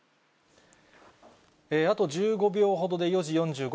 あと１５秒ほどで、４時４５